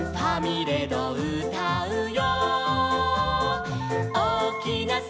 「ファミレドうたうよ」